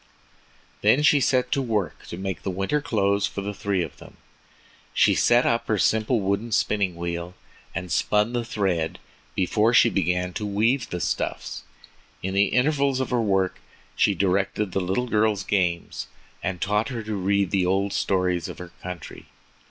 Then she set to work to make the winter clothes for the three of them. She set up her simple wooden spinning wheel and spun the thread before she began to weave the stuffs. In the intervals of her work she directed the little girl's games and taught her to read the old stories of her country.